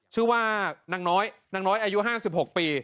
ชื่อว่านางน้อยนางน้อยอายุ๕๖ปี